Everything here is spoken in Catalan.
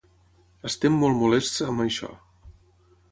Estem molt molests amb això.